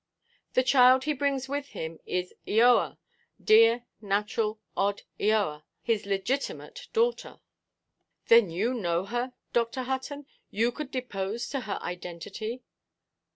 "The child he brings with him is Eoa, dear natural odd Eoa, his legitimate daughter." "Then you know her, Dr. Hutton; you could depose to her identity?"